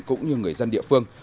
cũng như người dân địa phương